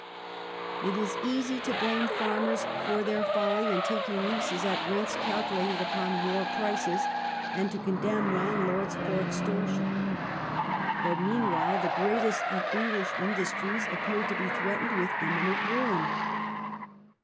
It is easy to blame farmers for their folly in taking leases at rents calculated upon war prices, and to condemn landlords for extortion. But, mean while, the greatest of English industries appeared to be threatened with imminent ruin.